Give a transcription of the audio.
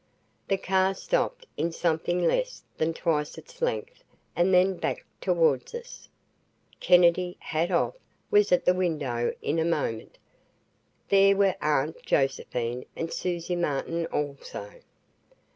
The car stopped in something less than twice its length and then backed toward us. Kennedy, hat off, was at the window in a moment. There were Aunt Josephine, and Susie Martin, also.